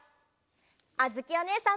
あづきおねえさんも！